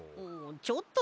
ちょっとね。